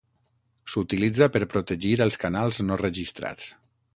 S'utilitza per protegir els canals no registrats.